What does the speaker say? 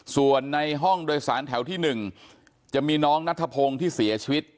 ส่วนในห้องโดยสารแถวที่๑จะมีน้องนัทพงศ์ที่เสียชีวิต